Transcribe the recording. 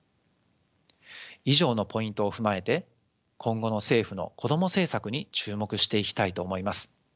以上のポイントを踏まえて今後の政府のこども政策に注目していきたいと思います。